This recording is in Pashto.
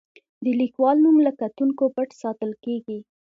د لیکوال نوم له کتونکو پټ ساتل کیږي.